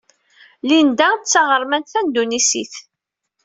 Linda d taɣermant tindunisit.